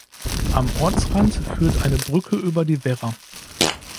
Am Ortsrand führt eine Brücke über die Werra.